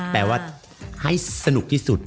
แปลว่าให้สนุกที่สุด